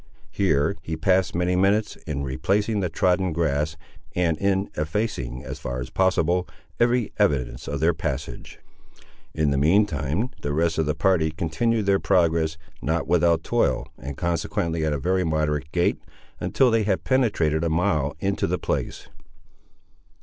Here he passed many minutes in replacing the trodden grass, and in effacing, as far as possible, every evidence of their passage. In the mean time the rest of the party continued their progress, not without toil, and consequently at a very moderate gait, until they had penetrated a mile into the place.